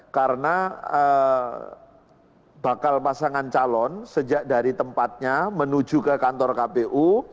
karena bakal pasangan calon dari tempatnya menuju ke kantor kpu